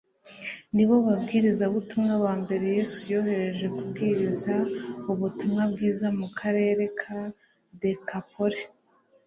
ni bo babwiriza butumwa ba mbere Yesu yohereje kubwiriza ubutumwa bwiza mu karere ka Dekapoli.